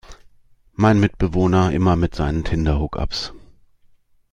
Mein Mitbewohner immer mit seinen Tinder-Hookups!